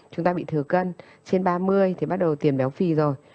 chúng ta bị thừa cân trên ba mươi thì bắt đầu tiền béo phì rồi